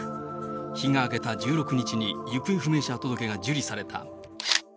日が明けた１６日に、行方不明者届が受理された。